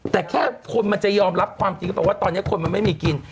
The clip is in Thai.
แต่แค่คนมันจะยอมรับความจริงก็บอกว่าตอนนี้คนมันไม่มีกิน